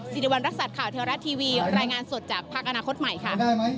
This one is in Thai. สิริวัณรักษัตริย์ข่าวเทวรัฐทีวีรายงานสดจากพักอนาคตใหม่ค่ะ